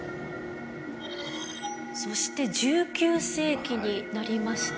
そして１９世紀になりますと。